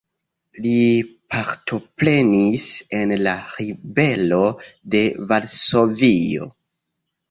Li partoprenis en la Ribelo de Varsovio.